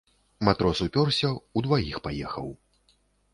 Матрос упёрся, удваіх паехаў.